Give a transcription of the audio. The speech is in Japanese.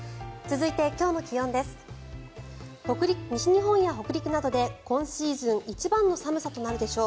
続いて今日の気温です。